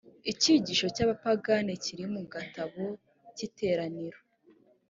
icyigisho cy’abapagani kiri mu gatabo k’iteraniro